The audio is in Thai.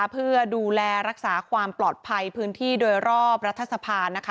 เพื่อดูแลรักษาความปลอดภัยพื้นที่โดยรอบรัฐสภานะคะ